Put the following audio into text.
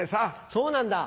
そうなんだ。